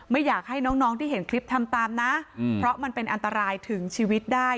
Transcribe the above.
ไม่อยากให้น้องที่เห็นคลิปทำตามนะเพราะมันเป็นอันตรายถึงชีวิตได้